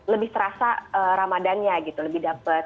lebih terasa ramadhan nya gitu lebih dapat